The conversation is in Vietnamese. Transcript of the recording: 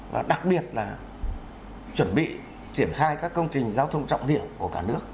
và đặc biệt là chuẩn bị triển khai các công trình giao thông trọng điểm của cả nước